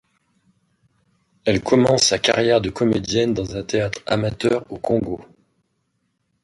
Elle commence sa carrière de comédienne dans un théâtre amateur au Congo.